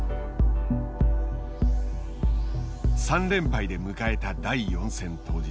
３連敗で迎えた第４戦当日。